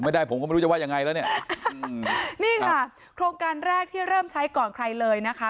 ไม่ได้ผมก็ไม่รู้จะว่ายังไงแล้วเนี่ยนี่ค่ะโครงการแรกที่เริ่มใช้ก่อนใครเลยนะคะ